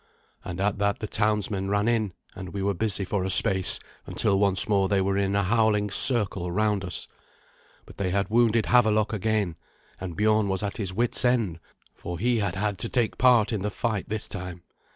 And at that the townsmen ran in, and we were busy for a space, until once more they were in a howling circle round us. But they had wounded Havelok again; and Biorn was at his wit's end, for he had had to take part in the fight this time.